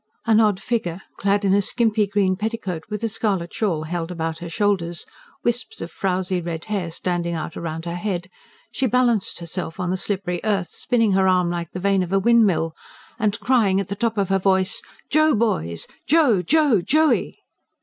An odd figure, clad in a skimpy green petticoat, with a scarlet shawl held about her shoulders, wisps of frowsy red hair standing out round her head, she balanced herself on the slippery earth, spinning her arm like the vane of a windmill, and crying at the top of her voice: "Joe, boys! Joe, Joe, Joey!"